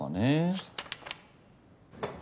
はい。